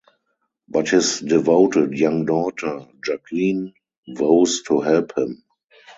But his devoted young daughter Jacqueline vows to help him.